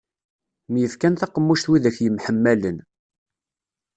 Myefkan taqemmuct widak yemḥemmalen.